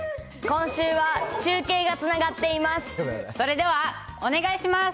今週は中継がつながっています。